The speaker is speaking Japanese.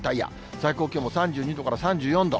最高気温も３２度から３４度。